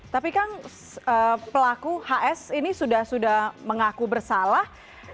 tapi kang pelaku hs ini sudah sudah mengaku bersalah